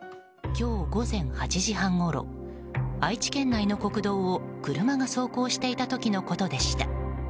今日午前８時半ごろ愛知県内の国道を車が走行していた時のことでした。